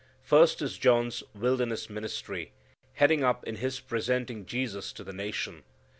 First is John's wilderness ministry, heading up in his presenting Jesus to the nation.